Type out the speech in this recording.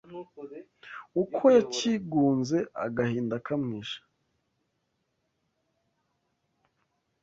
Uko yakigunze Agahinda kamwishe